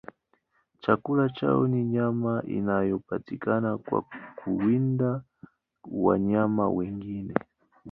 Chakula chao ni nyama inayopatikana kwa kuwinda wanyama wengine.